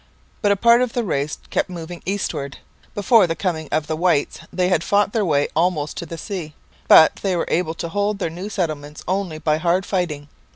But a part of the race kept moving eastward. Before the coming of the whites, they had fought their way almost to the sea. But they were able to hold their new settlements only by hard fighting.